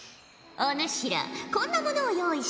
お主らこんなものを用意したぞ。